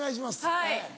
はい。